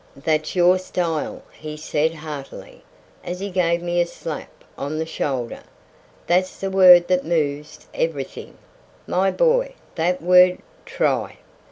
"That's your style," he said heartily, as he gave me a slap on the shoulder. "That's the word that moves everything, my boy that word `try.'